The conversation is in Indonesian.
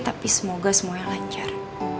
tapi semoga semuanya lancar